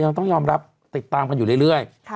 พี่หนุ่มต้องยอมรับติดตามกันอยู่เรื่อย